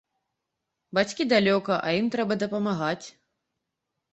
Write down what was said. Бацькі далёка, а ім трэба дапамагаць.